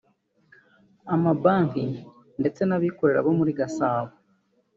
amabanki ndetse n’abikorera bo muri Gasabo